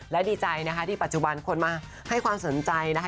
และดีใจนะคะที่ปัจจุบันคนมาให้ความสนใจนะคะ